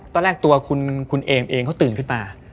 ตอนแรกตัวคุณเอมเองเขาตื่นขึ้นมา